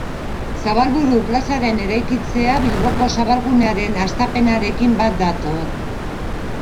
Zabalburu plazaren eraikitzea Bilboko zabalgunearen hastapenarekin bat dator.